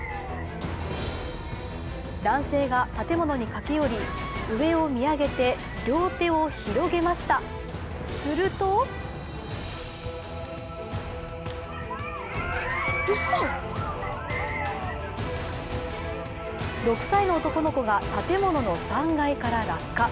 男性が建物に駆け寄り、上を見上げて両手を広げました、すると６歳の男の子が建物の３階から落下。